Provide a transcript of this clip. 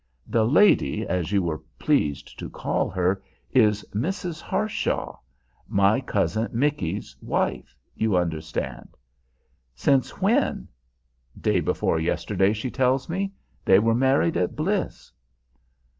The lady, as you were pleased to call her, is Mrs. Harshaw, my cousin Micky's wife, you understand." "Since when?" "Day before yesterday, she tells me. They were married at Bliss."